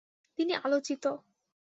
তিনি আলোচিত।